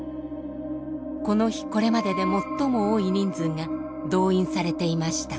この日これまでで最も多い人数が動員されていました。